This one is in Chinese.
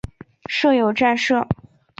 设有站舍。